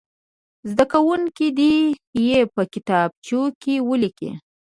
زده کوونکي دې یې په کتابچو کې ولیکي.